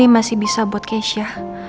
masih bisa buat keisha